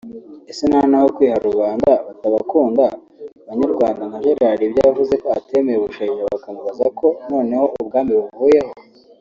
Ese nano ahokwiha rubanda batabakunda banyarwanda nka Gerard ibyo yavuzeko atemeye Bushaija bakamubaza ko noneho ubwami buvuyeho